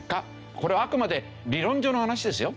これはあくまで理論上の話ですよ。